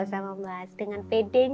kamu udah punya istri belum